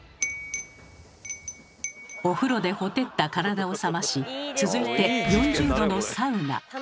お風呂でほてった体を冷まし続いて４０℃のサウナ。